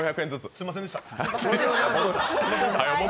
すんませんでした。